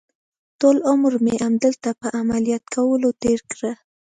ټول عمر مې همدلته په عملیات کولو تېر کړ.